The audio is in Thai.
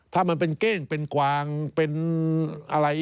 ถ้ามันเป็นเก้งเป็นกวางเป็นอะไร